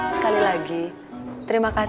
sekali lagi terima kasih ya mas ya